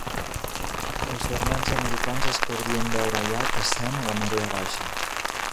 Els bernats americans es podrien veure allà caçant a la marea baixa.